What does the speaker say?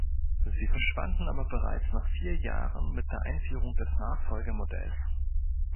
Sie verschwanden aber bereits nach vier Jahren mit der Einführung des Nachfolgemodells.